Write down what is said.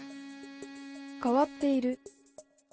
「変わっている。」